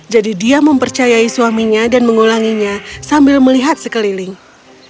jadi dia mempercayai suaminya dan mengulanginya sambil melihat sekelipnya